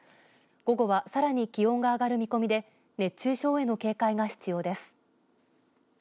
午後はさらに気温が上がる見込みで熱中症への警戒が必要です。